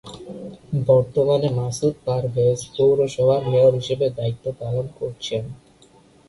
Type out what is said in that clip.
বর্তমানে মাসুদ পারভেজ পৌরসভার মেয়র হিসেবে দায়িত্ব পালন করছেন।